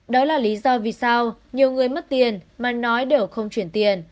đó là lý do vì sao nhiều người mất tiền mà nói đều không chuyển tiền